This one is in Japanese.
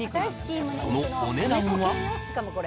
そのお値段は。